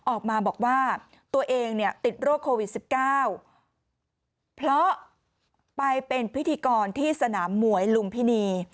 ออกมาบอกว่าตัวเองเนี่ยติดโรคโควิด๑๙เพราะไปเป็นพิธีกรที่สนามมวยลุมพินี